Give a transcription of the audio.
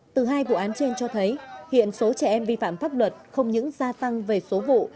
từ hai vụ án trên cho thấy hiện số trẻ em vi phạm pháp luật không những gia tăng về số vụ